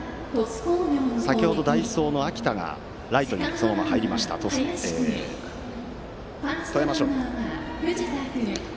先程、代走の秋田がライトにそのまま入りました富山商業です。